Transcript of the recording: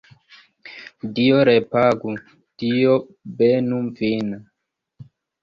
Dio repagu, Dio benu vin!